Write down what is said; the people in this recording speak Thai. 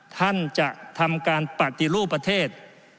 ท่านจะทำการปฏิรูปประเทศ